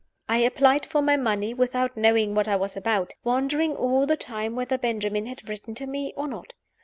I applied for my money without knowing what I was about; wondering all the time whether Benjamin had written to me or not.